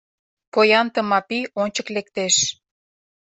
Поян Тымапи ончык лектеш.